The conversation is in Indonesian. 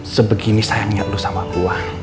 sebegini sayangnya lu sama gua